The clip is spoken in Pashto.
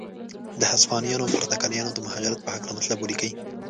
د هسپانویانو او پرتګالیانو د مهاجرت په هکله مطلب ولیکئ.